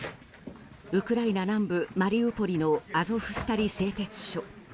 ウクライナ南部マリウポリのアゾフスタリ製鉄所。